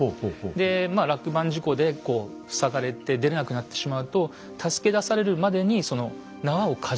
で落盤事故で塞がれて出れなくなってしまうと助け出されるまでにその縄をかじって何とか。